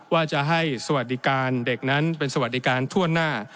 ว่าจะให้สวัสดิการเด็กนั้นเป็นสวัสดิการทั่วหน้า